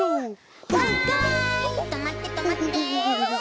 はいとまってとまって。